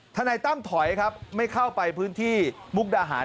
นายตั้มถอยครับไม่เข้าไปพื้นที่มุกดาหาร